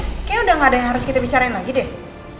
kayaknya udah gak ada yang harus kita bicarain lagi deh